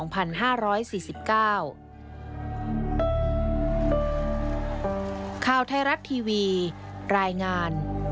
โปรดติดตามตอนต่อไป